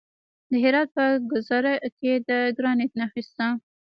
د هرات په ګذره کې د ګرانیټ نښې شته.